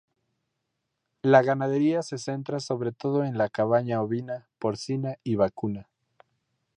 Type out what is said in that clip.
La ganadería se centra sobre todo en la cabaña ovina, porcina y vacuna.